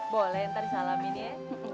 boleh ntar salamin ya